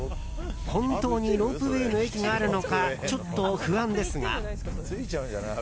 本当にロープウェーの駅があるのかちょっと不安ですが。